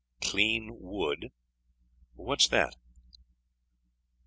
"Clean wood! what's that?"